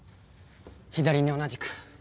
左に同じく。